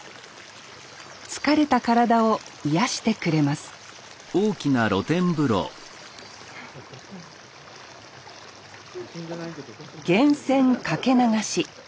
疲れた体を癒やしてくれます源泉掛け流し。